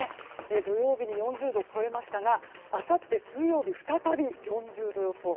土曜日に４０度を超えましたがあさって水曜日再び４０度予想。